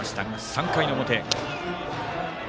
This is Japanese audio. ３回の表。